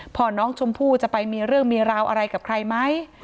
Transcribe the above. พ่อน้องชมพู่จะไปมีเรื่องมีราวอะไรกับใครไหม